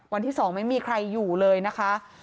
วันที่๒ไม่มีใครอยู่เลยนะคะ